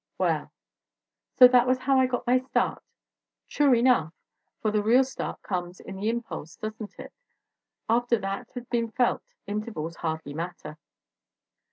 Well "So that was how I got my start." True enough, for the real start comes in the impulse, doesn't it? After that has been felt intervals hardly matter.